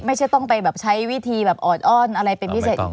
ไม่ใช่ต้องไปแบบใช้วิธีแบบออดอ้อนอะไรเป็นพิเศษ